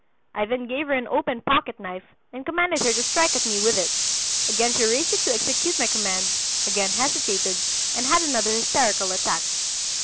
I then gave her an open pocketknife and commanded her to strike at me with it. Again she raised it to execute my command, again hesitated, and had another hysterical attack.